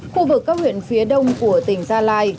khu vực các huyện phía đông của tỉnh gia lai